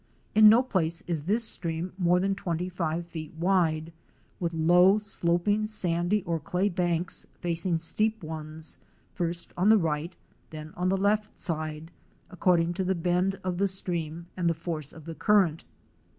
In no place is this stream more than twenty five feet wide, with low, sloping sandy or clay banks facing steep ones, first on the right, then on the left side, according to the bend of the stream and the force of the current.